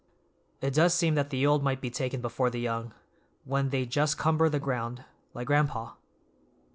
It does seem that the old might be taken before the young, when they just cumber the ground, like gran'pa."